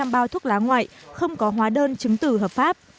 một mươi bảy năm trăm linh bao thuốc lá ngoại không có hóa đơn chứng từ hợp pháp